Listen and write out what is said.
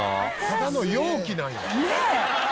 ただの容器なんや。